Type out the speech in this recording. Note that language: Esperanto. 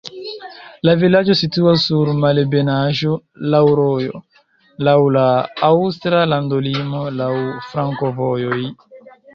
La vilaĝo situas sur malebenaĵo, laŭ rojo, laŭ la aŭstra landolimo, laŭ flankovojoj.